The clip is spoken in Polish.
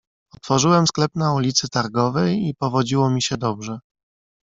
"Otworzyłem sklep na ulicy Targowej i powodziło mi się dobrze."